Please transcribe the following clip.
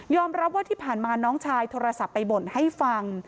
รับว่าที่ผ่านมาน้องชายโทรศัพท์ไปบ่นให้ฟัง